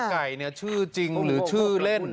ไก่ชื่อจริงหรือชื่อเล่น